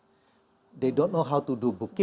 mereka tidak tahu bagaimana untuk melakukan pengurangan buku